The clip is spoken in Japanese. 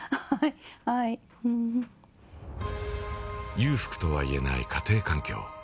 裕福とは言えない家庭環境。